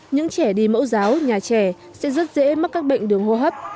những trẻ đi mẫu giáo nhà trẻ sẽ rất dễ mắc các bệnh đường hô hấp